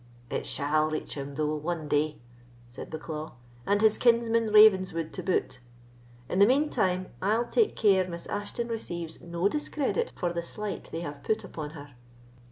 "It shall reach him, though, one day," said Bucklaw, "and his kinsman Ravenswood to boot. In the mean time, I'll take care Miss Ashton receives no discredit for the slight they have put upon her.